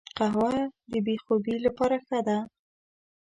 قهوه د بې خوبي لپاره ښه ده